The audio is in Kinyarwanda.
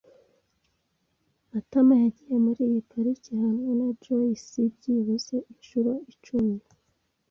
Matama yagiye muri iyi parike hamwe na Joyci byibuze inshuro icumi.